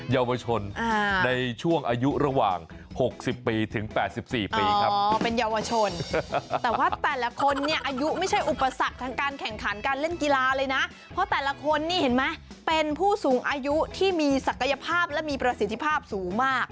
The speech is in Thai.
เยาวชนในช่วงอายุระหว่าง๖๐ปีถึง๘๔ปีครับอ๋อเป็นเยาวชนแต่ว่าแต่ละคนเนี่ยอายุไม่ใช่อุปสรรคทางการแข่งขันการเล่นกีฬาเลยนะเพราะแต่ละคนนี่เห็นไหมเป็นผู้สูงอายุที่มีศักยภาพและมีประสิทธิภาพสูงมาก